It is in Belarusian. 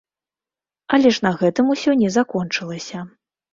Але ж на гэтым усё не закончылася.